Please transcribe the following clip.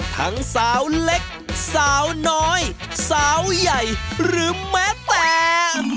ทั้งสาวเล็กสาวน้อยสาวใหญ่หรือแม้แต่